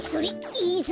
いいぞ。